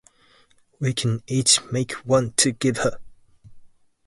We can each make one to give her.